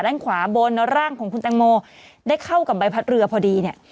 ด้านขวาบนร่างของคุณแตงโมได้เข้ากับใบพัดเรือพอดีเนี่ย